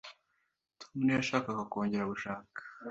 tom ntiyashakaga kongera gushaka